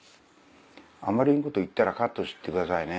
あまりなこと言ったらカットしてくださいね。